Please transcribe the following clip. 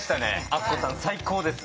あっこさん最高です。